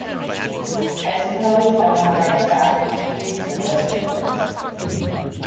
I suppose, as a matter of fact, Jeeves suggested it.